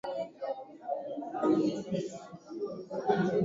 moja Mia tisa sabini na nne kwa kawaida huandikwa Negus Halafu